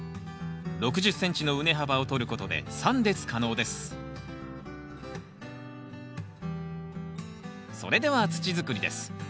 ６０ｃｍの畝幅をとることで３列可能ですそれでは土づくりです。